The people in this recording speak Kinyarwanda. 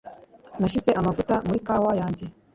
nashyize amavuta muri kawa yanjye